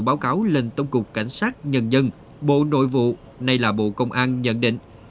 báo cáo lên tổng cục cảnh sát nhân dân bộ nội vụ nay là bộ công an nhận định